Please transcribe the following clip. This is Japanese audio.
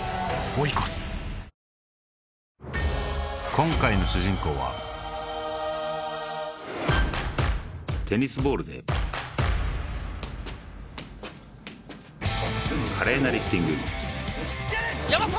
今回の主人公はテニスボールで華麗なリフティング山沢